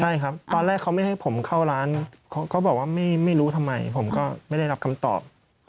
ใช่ครับตอนแรกเขาไม่ให้ผมเข้าร้านเขาบอกว่าไม่รู้ทำไมผมก็ไม่ได้รับคำตอบ